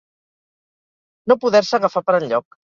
No poder-se agafar per enlloc.